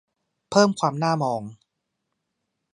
เพิ่มความน่ามอง